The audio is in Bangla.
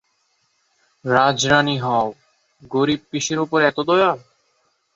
রাজরানী হও, গরিব পিসির ওপর এত দয়া!